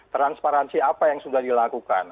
transparansi apa yang sudah dilakukan